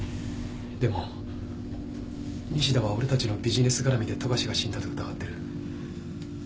でも西田は俺たちのビジネス絡みで富樫が死んだと疑ってる。